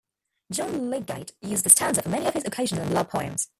John Lydgate used the stanza for many of his occasional and love poems.